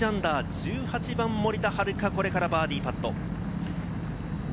１８番・森田遥、これからバーディーパット。